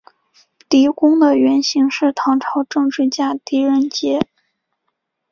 狄公的原型是唐朝政治家狄仁杰。